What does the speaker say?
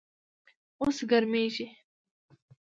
اوس ګرمیږم